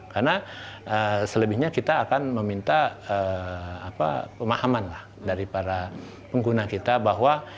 karena selebihnya kita akan meminta pemahaman dari para pengguna kita bahwa